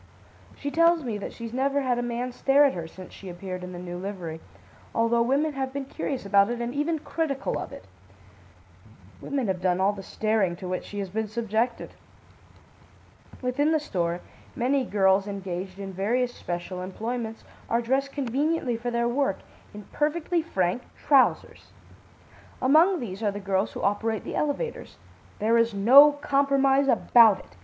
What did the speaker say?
She tells me that she's never had a man stare at her since she appeared in the new livery, although women have been curious about it and even critical of it. Women have done all the staring to which she has been subjected. "Within the store, many girls engaged in various special employments, are dressed conveniently for their work, in perfectly frank trousers. Among these are the girls who operate the elevators. There is no compromise about it.